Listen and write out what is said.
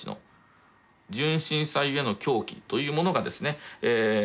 「純真さゆえの狂気」というものがですね